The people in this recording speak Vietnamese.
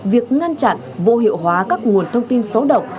việc ngăn chặn vô hiệu hóa các nguồn thông tin xấu độc